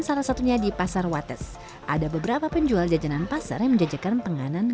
salah satunya di pasar wates ada beberapa penjual jajanan pasar yang menjajakan penganan